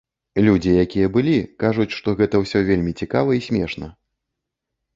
Людзі, якія былі, кажуць, што гэта ўсё вельмі цікава і смешна!